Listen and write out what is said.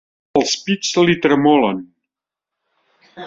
Els pits li tremolen.